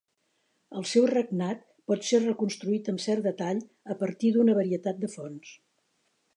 El seu regnat pot ser reconstruït amb cert detall a partir d'una varietat de fonts.